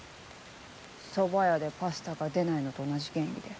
そば屋でパスタが出ないのと同じ原理で。